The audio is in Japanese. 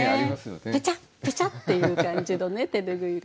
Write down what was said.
ペチャッペチャッていう感じの手拭いが。